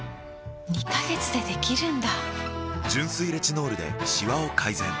２カ月でできるんだ！